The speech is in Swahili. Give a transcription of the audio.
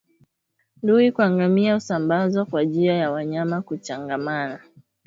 Ndui kwa ngamia husambazwa kwa njia ya wanyama kuchangamana